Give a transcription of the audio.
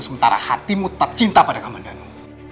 sementara hatimu tak cinta pada kaman danu